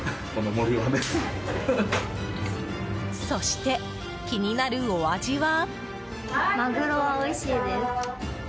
そして、気になるお味は？